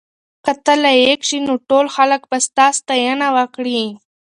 که ته لایق شې نو ټول خلک به ستا ستاینه وکړي.